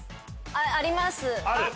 あります。